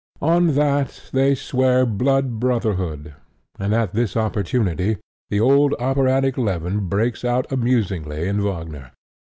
On that they swear blood brotherhood; and at this opportunity the old operatic leaven breaks out amusingly in Wagner.